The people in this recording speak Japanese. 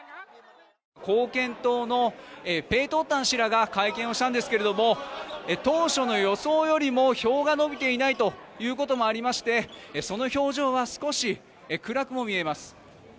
貢献党のペートンタン氏らが会見したんですが当初の予想よりも票が伸びていないということもありましてその表情は少し、暗くも見えます。